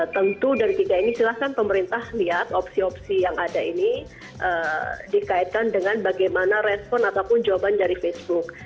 tentu dari tiga ini silahkan pemerintah lihat opsi opsi yang ada ini dikaitkan dengan bagaimana respon ataupun jawaban dari facebook